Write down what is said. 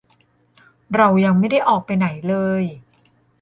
เรายังไม่ได้ออกไปไหนเลย